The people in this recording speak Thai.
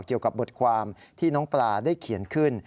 เกี่ยวกับบทความที่น้องปลาได้เขียนขึ้น